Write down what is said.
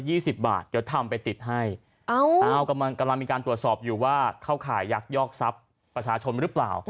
บาทเดี๋ยวทำไปติดให้เอากำลังกำลังมีการตรวจสอบอยู่ว่าเข้าข่ายยักยอกทรัพย์ประชาชนหรือเปล่า